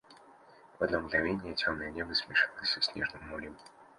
В одно мгновение темное небо смешалось со снежным морем.